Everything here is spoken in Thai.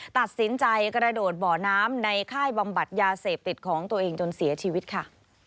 ตัดสินใจกระโดดบ่อน้ำในค่ายบำบัดยาเสพติดของตัวเองจนเสียชีวิตค่ะ